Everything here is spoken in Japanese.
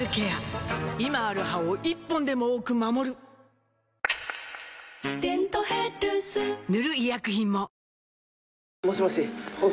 今ある歯を１本でも多く守る「デントヘルス」塗る医薬品も